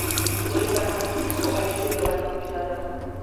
د سولې فرهنګ د ښو اړیکو یوه نتیجه ده.